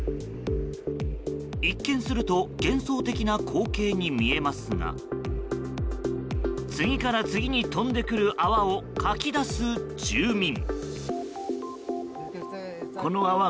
一見すると幻想的な光景に見えますが次から次に飛んでくる泡をかき出す住民。